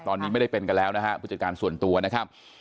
ตอนนี้ไม่ได้เป็นกันแล้วนะฮะผู้จัดการส่วนตัวนะครับ